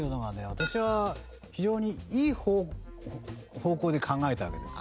私は非常にいい方向で考えたわけです。